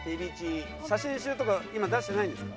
写真集とか今出してないんですか？